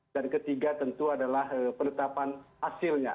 dan ketiga tentu adalah penetapan hasilnya